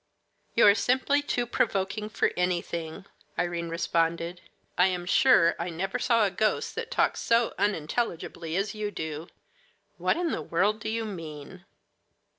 "You are simply too provoking for anything," Irene responded. "I am sure I never saw a ghost that talked so unintelligibly as you do. What in the world do you mean?"